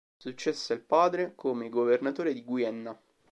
Successe al padre come governatore di Guienna.